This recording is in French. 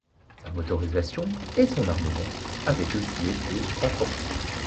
Sa motorisation et son armement avaient aussi été renforcés.